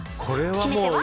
決め手は？